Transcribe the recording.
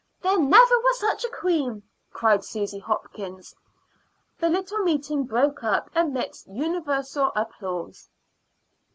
There never was such a queen," cried Susy Hopkins. The little meeting broke up amidst universal applause.